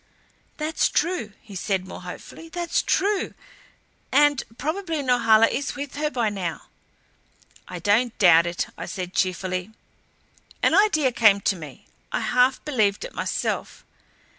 "That's true," he said, more hopefully. "That's true and probably Norhala is with her by now." "I don't doubt it," I said cheerfully. An idea came to me I half believed it myself.